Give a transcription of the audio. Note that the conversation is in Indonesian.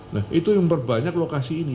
nah itu yang berbanyak lokasi ini